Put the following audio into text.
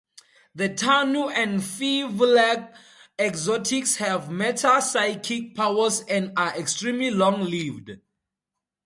The Tanu and Firvulag exotics have metapsychic powers and are extremely long-lived.